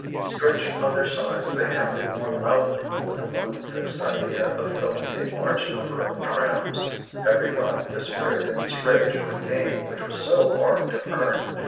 Stretched on their sides they hammered more loudly, with the one fixed idea of filling a large number of trams. Every thought disappeared in this rage for gain which was so hard to earn.